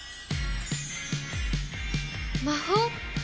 魔法？